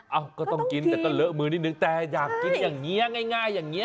เอ้าก็ต้องกินแต่ต้องเลอะมือนิดหนึ่งแต่อยากกินอย่างเงี้ยง่ายง่ายอย่างเงี้ย